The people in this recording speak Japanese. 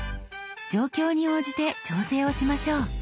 状況に応じて調整をしましょう。